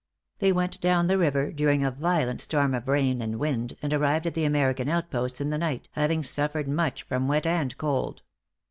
They went down the river during a violent storm of rain and wind, and arrived at the American outposts in the night, having suffered much from wet and cold.